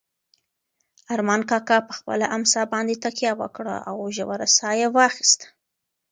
ارمان کاکا په خپله امسا باندې تکیه وکړه او ژوره ساه یې واخیسته.